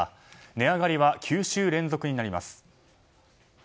値上がりは９週連続になります。